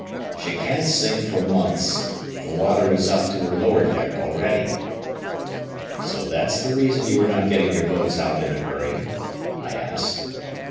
"She can't sink for months. The water is up to her lower deck already." "So that's the reason you were not getting your boats out in a hurry?" I asked.